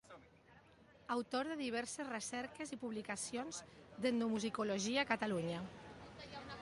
Autor de diverses recerques i publicacions d'etnomusicologia a Catalunya.